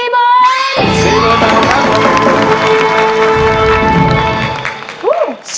๔๐๐๐๐บาทครับ